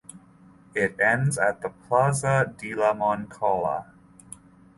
It ends at the Plaza de la Moncloa.